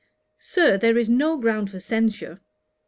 'Sir, there is no ground for censure.